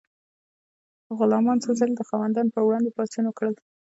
غلامانو څو ځلې د خاوندانو پر وړاندې پاڅونونه وکړل.